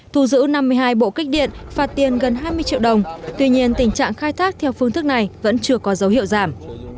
thu giữ năm mươi hai bộ kích điện phạt tiền gần hai mươi triệu đồng tuy nhiên tình trạng khai thác theo phương thức này vẫn chưa có dấu hiệu giảm